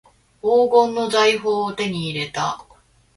黄金の財宝を手に入れた